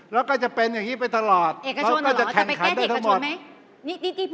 แล้วก็จะเป็นอย่างนี้ไปตลอดแล้วก็จะแข่งขันทั้งหมด